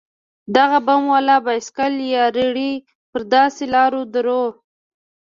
دغه بم والا بايسېکل يا رېړۍ پر داسې لارو دروو.